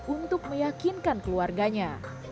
untuk meyakinkan keluarganya